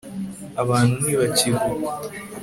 abantu ntibakivuga